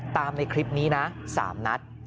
ตามในคลิปนี้นะ๓นัท